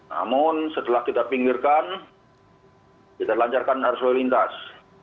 namun setelah kita pinggirkan kita lancarkan arus lalu lintas